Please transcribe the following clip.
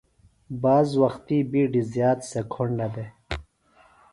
بعض وقتی بِیڈوۡ زیات سےۡ کُھنڈہ دےۡ۔